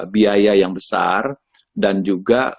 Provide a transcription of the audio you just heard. biaya yang besar dan juga